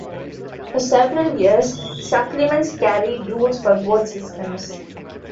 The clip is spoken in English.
For several years, supplements carried rules for both systems.